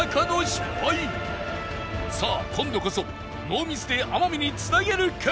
さあ今度こそノーミスで天海に繋げるか？